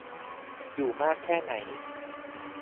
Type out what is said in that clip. อยู่มากแค่ไหน